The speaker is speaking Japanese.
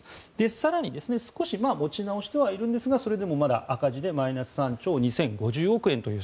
更に少し持ち直してはいるんですがそれでもまだ赤字でマイナス３兆２０５０億円という